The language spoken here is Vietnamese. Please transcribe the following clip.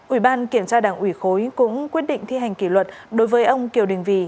ủy ban kiểm tra đảng ủy khối cũng quyết định thi hành kỷ luật đối với ông kiều đình vì